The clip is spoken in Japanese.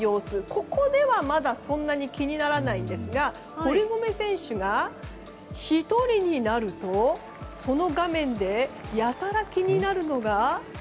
ここではまだそんなに気にならないんですが堀米選手が１人になると、その画面でやたら気になるのが。